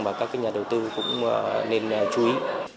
mà các nhà đầu tư cũng nên chú ý